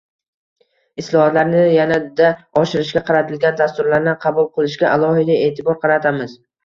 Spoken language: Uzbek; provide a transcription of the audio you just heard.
Islohotlarni yanada oshirishga qaratilgan dasturlarni qabul qilishga alohida e’tibor qaratamiz.